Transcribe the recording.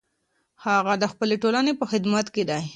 هغه د خپلې ټولنې په خدمت کې دی.